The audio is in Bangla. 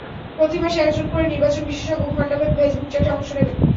প্রতি মাসে একজন করে নির্বাচন বিশেষজ্ঞ ঘণ্টাব্যাপী ফেসবুক চ্যাটে অংশ নেবেন।